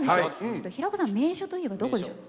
ちょっと平子さん名所といえばどこでしょう？